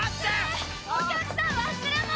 お客さん忘れ物！